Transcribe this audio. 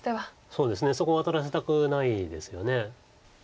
そうですねそこワタらせたくないですよね。